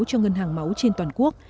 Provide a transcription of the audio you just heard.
cho ngân hàng máu trên toàn quốc